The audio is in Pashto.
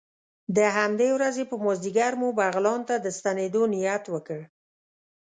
د همدې ورځې په مازدیګر مو بغلان ته د ستنېدو نیت وکړ.